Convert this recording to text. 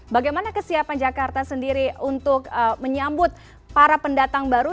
bagaimana kesiapan jakarta sendiri untuk menyambut para pendatang baru